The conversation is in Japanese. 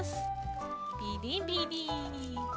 ビリビリ。